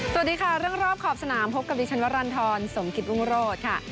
สวัสดีค่ะเรื่องรอบขอบสนามพบกับวิชันวัตรรันทรสมกิษวงศ์โรดค่ะ